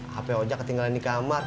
hape ojak ketinggalan di kamar